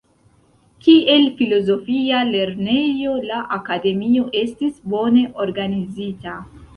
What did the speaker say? Kiel filozofia lernejo, la Akademio estis bone organizita.